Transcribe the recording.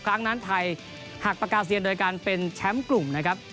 ครั้งนั้นไทยหักปากกาเซียนโดยการเป็นแชมป์กลุ่มนะครับ